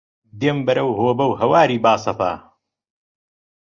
دێم بەرەو هۆبە و هەواری باسەفا